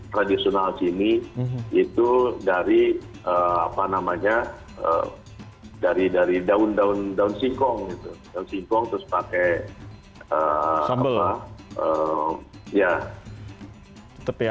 tradisional sini itu dari apa namanya dari dari daun daun singkong terus pakai sambel ya tetep ya